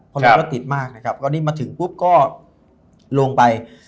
เพราะเราก็ติดมากนะครับก็นี่มาถึงปุ๊บก็ลงไป